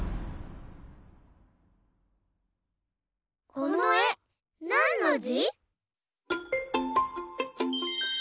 このえなんのじ？